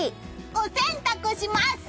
お洗濯します！